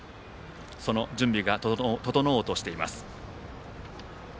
その準備が整おうとしています。